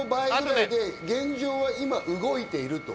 現状、今は動いていると。